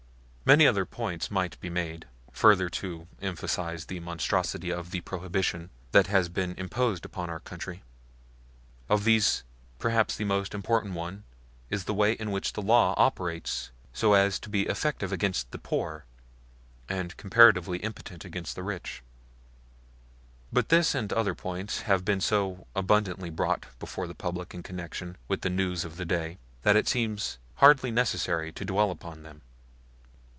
Many other points might be made, further to emphasize the monstrosity of the Prohibition that has been imposed upon our country. Of these perhaps the most important one is the way in which the law operates so as to be effective against the poor, and comparatively impotent against the rich. But this and other points have been so abundantly brought before the public in connection with the news of the day that it seemed hardly necessary to dwell upon them.